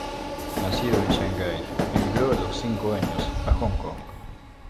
Nacido en Shanghái, emigró a los cinco años a Hong Kong.